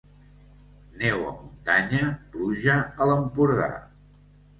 Neu a muntanya, pluja a l'Empordà.